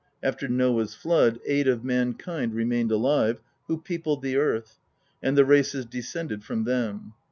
After Noah's flood eight of mankind remained alive, who peopled the earth; and the races de scended from them.